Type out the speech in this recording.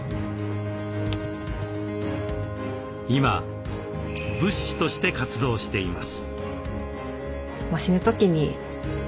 今仏師として活動しています。